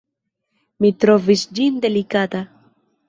Mi trovis ĝin delikata.